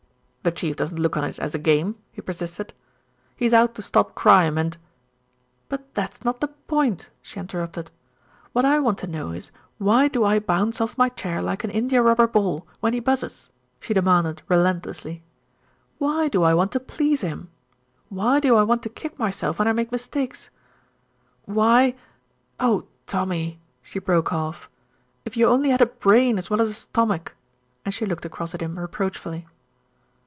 "The Chief doesn't look on it as a game," he persisted. "He's out to stop crime and " "But that's not the point," she interrupted. "What I want to know is why do I bounce off my chair like an india rubber ball when he buzzes?" she demanded relentlessly. "Why do I want to please him? Why do I want to kick myself when I make mistakes? Why Oh! Tommy," she broke off, "if you only had a brain as well as a stomach," and she looked across at him reproachfully.